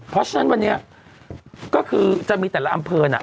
เพราะฉะนั้นวันนี้ก็คือจะมีแต่ละอำเภอน่ะ